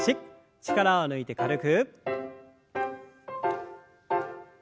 力を抜いて軽く。